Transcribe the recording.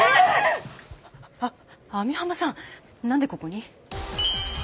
あ網浜さん何でここに！？